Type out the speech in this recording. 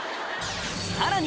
さらに